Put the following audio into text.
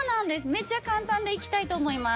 めっちゃ簡単でいきたいと思います。